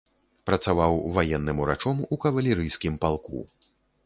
Працаваў ваенным урачом у кавалерыйскім палку.